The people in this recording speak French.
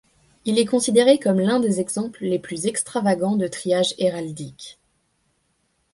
Il est considéré comme l'un des exemples les plus extravagants de triage héraldique.